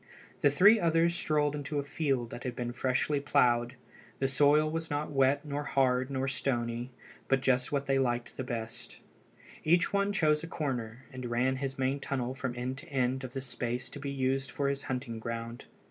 The three others strolled into a field that had been freshly ploughed. The soil was not wet nor hard nor stony, but just what they liked best. Each one chose a corner, and ran his main tunnel from end to end of the space to be used for his hunting ground.